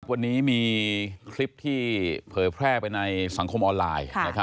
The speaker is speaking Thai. วันนี้มีคลิปที่เผยแพร่ไปในสังคมออนไลน์